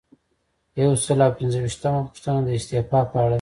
یو سل او پنځه ویشتمه پوښتنه د استعفا په اړه ده.